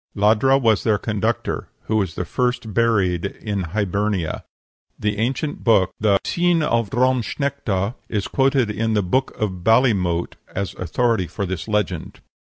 Ladhra was their conductor, who was the first buried in Hibernia. That ancient book, the "Cin of Drom Snechta," is quoted in the "Book of Ballymote" as authority for this legend.